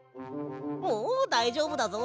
もうだいじょうぶだぞ。